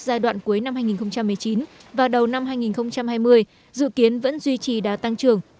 giai đoạn cuối năm hai nghìn một mươi chín và đầu năm hai nghìn hai mươi dự kiến vẫn duy trì đá tăng trưởng